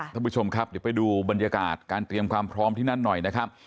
ท่านผู้ชมครับเดี๋ยวไปดูบรรยากาศการเตรียมความพร้อมที่นั่นหน่อยนะครับ